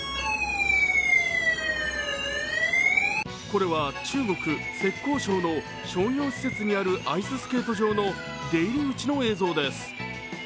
これは中国・浙江省の商業施設にあるアイススケート場の出入り口の映像です。